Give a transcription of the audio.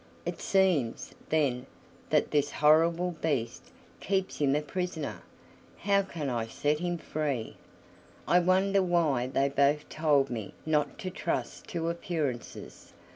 "It seems, then, that this horrible Beast keeps him a prisoner. How can I set him free? I wonder why they both told me not to trust to appearances?